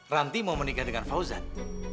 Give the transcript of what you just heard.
ranti mau menikah dengan fauzan